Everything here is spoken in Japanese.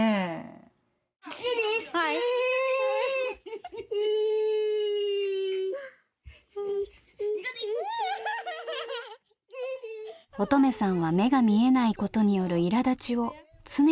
音十愛さんは目が見えないことによるいらだちを常に抱えています。